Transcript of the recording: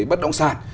bất động sản